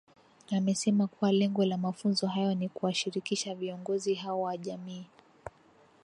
Amesema kuwa lengo la mafunzo hayo ni kuwashirikisha viongozi hao wa jamii